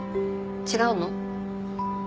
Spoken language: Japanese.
違うの？